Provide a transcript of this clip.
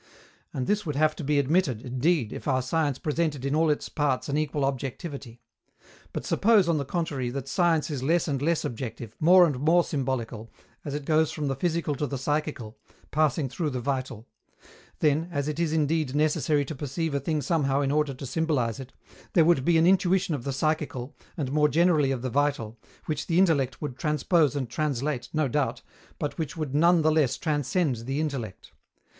And this would have to be admitted, indeed, if our science presented in all its parts an equal objectivity. But suppose, on the contrary, that science is less and less objective, more and more symbolical, as it goes from the physical to the psychical, passing through the vital: then, as it is indeed necessary to perceive a thing somehow in order to symbolize it, there would be an intuition of the psychical, and more generally of the vital, which the intellect would transpose and translate, no doubt, but which would none the less transcend the intellect.